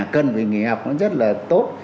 cần về nghỉ học nó rất là tốt